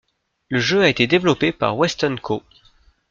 Le jeu a été développé par Westone Co.